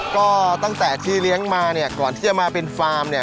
ก็ตั้งแต่ที่เลี้ยงมาก่อนที่จะมาเป็นฟาร์ม